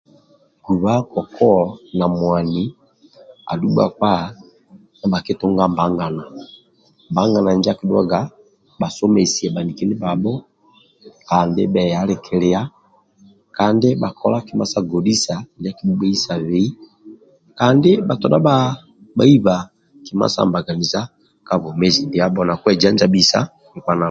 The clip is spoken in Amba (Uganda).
Guba kokoa na mwani adhu bhakpa ndibhakitunga mbagana mbagana injo akidhuaga bhasomesia bhaniki ndibhabho kandi bhealikilia kandi bhakola kima sa godhisa ndia akibhubheisabei kandi bhatodha bhaiba kima sa nbaganiza ka bwomezi ndiabho kandi bhatodha bhejanjabisa nkpa na